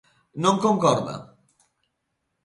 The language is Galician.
Non concorda.